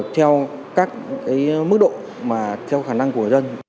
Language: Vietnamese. theo các mức độ mà theo khả năng của dân